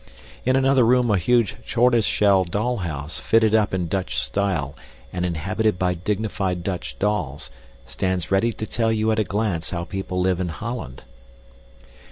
In another room a huge tortoiseshell dollhouse, fitted up in Dutch style and inhabited by dignified Dutch dolls, stands ready to tell you at a glance how people live in Holland.